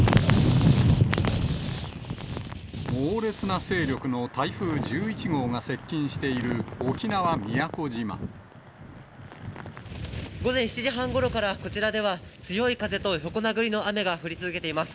猛烈な勢力の台風１１号が接午前７時半ごろから、こちらでは、強い風と横殴りの雨が降り続けています。